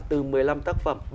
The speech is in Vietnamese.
từ một mươi năm tác phẩm